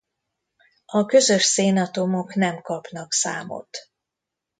A közös szénatomok nem kapnak számot.